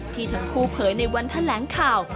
ที่ท่านครูเผยในวันทะแหลงข่าว